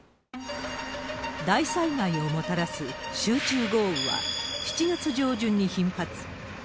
大災害をもたらす集中豪雨は７月上旬に頻発。